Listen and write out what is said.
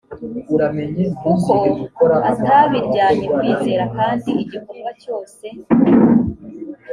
kuko atabiryanye kwizera kandi igikorwa cyose